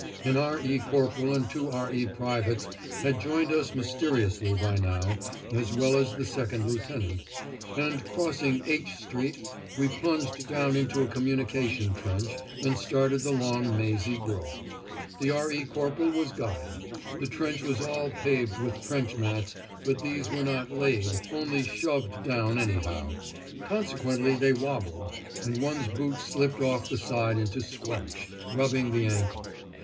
An R.E. corporal and two R.E. privates had joined us mysteriously by now, as well as the second lieutenant, and crossing H Street we plunged down into a communication trench, and started the long mazy grope. The R.E. corporal was guide. The trench was all paved with trench mats, but these were not "laid," only "shoved down" anyhow; consequently they wobbled, and one's boot slipped off the side into squelch, rubbing the ankle.